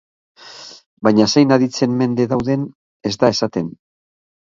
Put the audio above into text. Baina zein aditzen mende dauden ez da esaten.